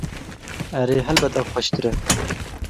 Erê, helbet ev xweştir e.